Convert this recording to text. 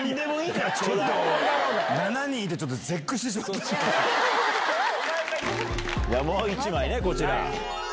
じゃあもう１枚ねこちら。